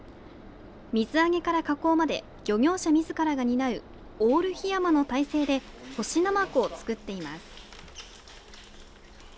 水揚げから加工まで漁業者みずからが担うオール檜山の体制で干しナマコを作っています。